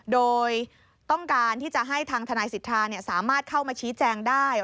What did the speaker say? โดยต้องการที่จะให้ทางทนายสิทธาสามารถเข้ามาชี้แจงได้